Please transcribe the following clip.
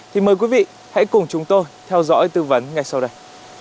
thì mời quý vị hãy cùng chúng tôi theo dõi tư vấn ngay sau đây